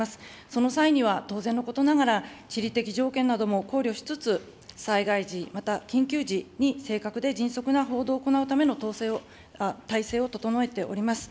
その際には、当然のことながら、地理的条件なども考慮しつつ、災害時、また緊急時に正確で迅速な報道を行うための、体制を整えております。